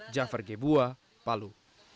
jafar gebuah palu